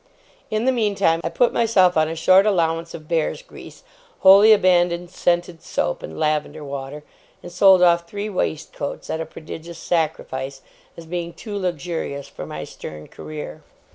In the meantime, I put myself on a short allowance of bear's grease, wholly abandoned scented soap and lavender water, and sold off three waistcoats at a prodigious sacrifice, as being too luxurious for my stern career.